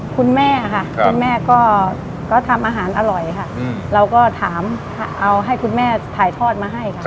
คุณแม่ค่ะคุณแม่ก็ทำอาหารอร่อยค่ะเราก็ถามเอาให้คุณแม่ถ่ายทอดมาให้ค่ะ